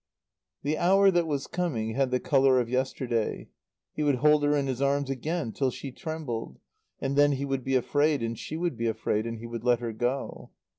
The hour that was coming had the colour of yesterday. He would hold her in his arms again till she trembled, and then he would be afraid, and she would be afraid, and he would let her go.